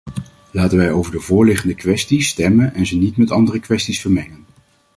Laten wij over de voorliggende kwestie stemmen en ze niet met andere kwesties vermengen.